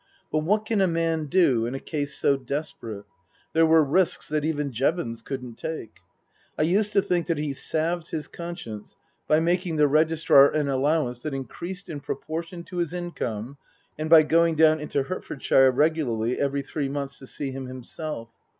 But what can a man do in a case so desperate ? There were risks that even Jevons couldn't take. I used to think that he salved his conscience by making the Registrar an allow ance that increased in proportion to his income and by going down into Hertfordshire regularly every three months to see him himself.